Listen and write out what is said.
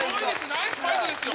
ナイスファイトですよ。